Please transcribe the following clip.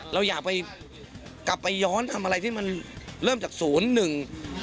เราอยากไปกลับไปย้อนทำอะไรที่มันเริ่มจากศูนย์หนึ่ง